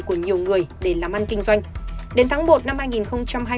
của nhiều người để làm ăn kinh doanh